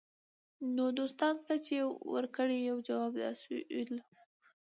نه دوستان سته چي یې ورکړي یو جواب د اسوېلیو